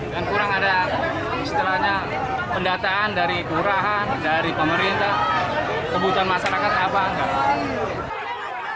dan kurang ada istilahnya pendataan dari kurahan dari pemerintah kebutuhan masyarakat apa enggak